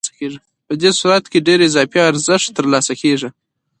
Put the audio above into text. په دې صورت کې ډېر اضافي ارزښت ترلاسه کېږي